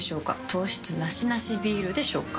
糖質ナシナシビールでしょうか？